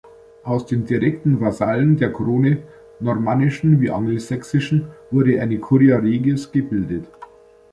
Aus den direkten Vasallen der Krone, normannischen wie angelsächsischen, wurde eine Curia Regis gebildet.